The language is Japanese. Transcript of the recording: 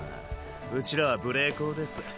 うちらは無礼講です。